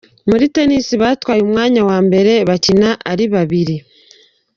Muri Tennis batwaye umwanya wa mbere bakina ari babiri.